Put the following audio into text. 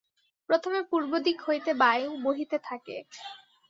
প্রথমে পূর্বদিক হইতে বায়ু বহিতে থাকে।